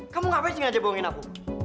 kamu ngapain sengaja bohongin aku